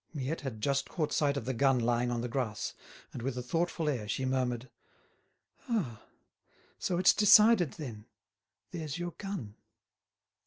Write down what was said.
Miette had just caught sight of the gun lying on the grass, and with a thoughtful air, she murmured: "Ah! so it's decided then? There's your gun!"